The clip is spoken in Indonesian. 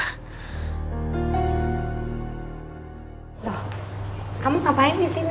loh kamu ngapain disini